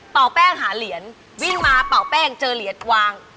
แป้งหาเหรียญวิ่งมาเป่าแป้งเจอเหรียญวาง